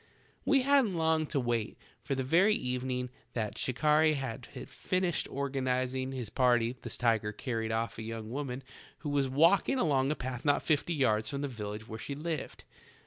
"We hadn't long to wait, for the very evening that the shikarry had finished organizing his party the tiger carried off a young woman who was walking along a path not fifty yards from 136 THE TALKING HANDKERCHIEF. the village where she lived.